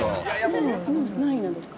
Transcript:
今は何位なんですか？